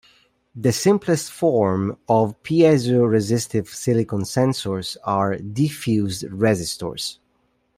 The simplest form of piezoresistive silicon sensors are diffused resistors.